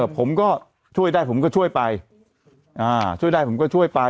ผมก็ช่วยได้ผมก็ช่วยไปช่วยได้ผมก็ช่วยไป